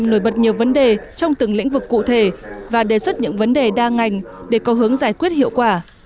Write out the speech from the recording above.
nổi bật nhiều vấn đề trong từng lĩnh vực cụ thể và đề xuất những vấn đề đa ngành để có hướng giải quyết hiệu quả